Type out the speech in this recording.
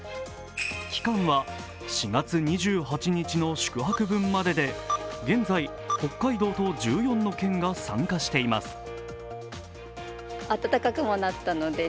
期間は４月２８日の宿泊分までで現在、北海道の１４の県が参加しています。